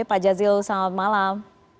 pak jazilul selamat malam